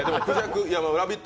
ラヴィット！